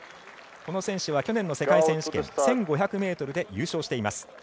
この選手は去年の世界選手権１５００ｍで優勝しています。